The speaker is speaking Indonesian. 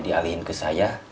dialihin ke saya